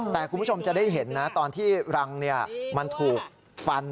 แต่คุณผู้ชมจะได้เห็นนะตอนที่รังมันถูกฟัน